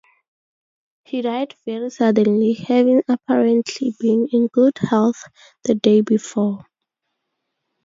He died very suddenly, having apparently been in good health the day before.